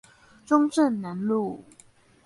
中正南路